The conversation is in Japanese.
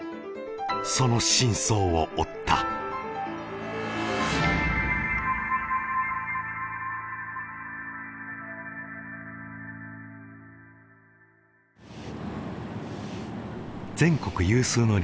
その真相を追った全国有数の